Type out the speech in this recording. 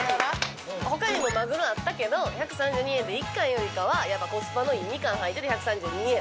他にもまぐろあったけど１３２円で１貫よりかはやっぱコスパのいい２貫入ってて１３２円